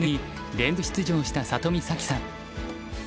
連続出場した里見咲紀さん。